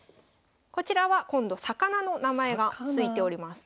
こちらは今度魚の名前が付いております。